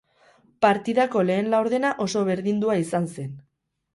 Partidako lehen laurdena oso berdindua izan zen.